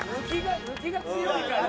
抜きが強いからね。